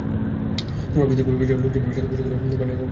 তোমরা পৃথক হয়ে বসে আছ, লোকজনের সাথে পশুগুলোকে পানি পান করাচ্ছ না?